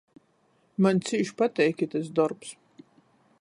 Maņ cīš pateik itys dorbs.